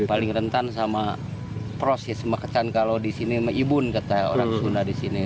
proses pakekan kalau disini embun kata orang suna disini